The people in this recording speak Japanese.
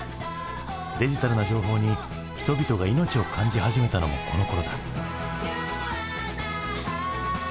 デジタルな情報に人々が命を感じ始めたのもこのころだ。